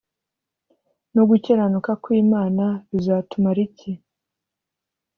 no gukiranuka ku imana bizatumariiki